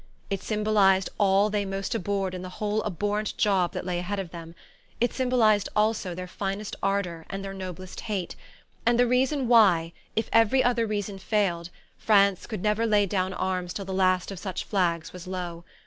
It symbolized all they most abhorred in the whole abhorrent job that lay ahead of them; it symbolized also their finest ardour and their noblest hate, and the reason why, if every other reason failed, France could never lay down arms till the last of such flags was low.